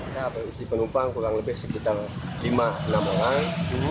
kita berisi penumpang kurang lebih sekitar lima enam orang